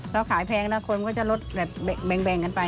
เราขายแพงแล้วคนมันก็จะลดแบ่งกันไป